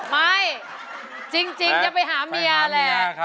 ไม่จริงจะไปหาเมียแหละ